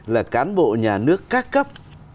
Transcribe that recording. là cán bộ nhà nước các cấp